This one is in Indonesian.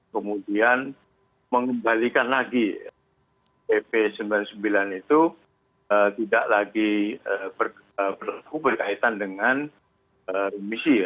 kemudian mengembalikan lagi pp sembilan puluh sembilan itu tidak lagi berkaitan dengan remisi ya